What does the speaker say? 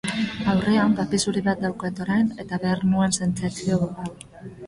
Aurrean, paper zuri bat daukat orain, eta behar nuen sentsazio hau.